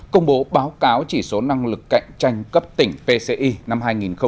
công bố báo cáo chỉ số năng lực cạnh tranh cấp tỉnh vcci năm hai nghìn hai mươi ba